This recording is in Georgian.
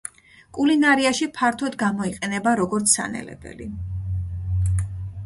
კულინარიაში ფართოდ გამოიყენება როგორც სანელებელი.